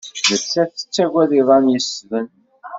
Nettat tettagad iḍan yessḍen.